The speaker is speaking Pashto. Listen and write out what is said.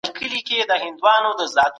ایا د پیازو او هوږې خوړل معافیت لوړوي؟